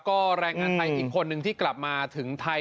ก็แรงงานไทยอีกคนนึงที่กลับมาถึงไทย